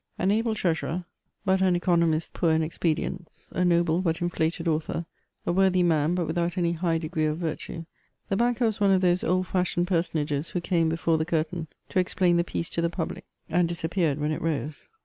An , able treasurer, but an economist poor in expedients ; a noble, but infiated author ; a worthy man, but without any high degree of virtue, the banker was one of those old fashioned personages who came before the curtain to explain the piece to the puUic, and dis ietppeared when it rose, M.